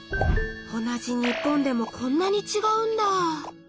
同じ日本でもこんなにちがうんだ！